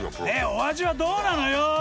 お味はどうなのよ？